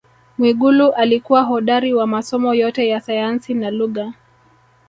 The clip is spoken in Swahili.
Mwigulu alikuwa hodari wa masomo yote ya sayansi na lugha